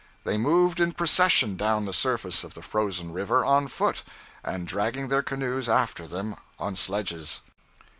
They moved in procession down the surface of the frozen river, on foot, and dragging their canoes after them on sledges.